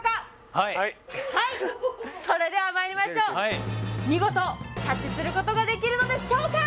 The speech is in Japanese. はいはいそれではまいりましょう見事キャッチすることができるのでしょうか？